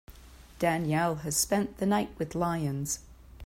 Danielle has spent the night with lions.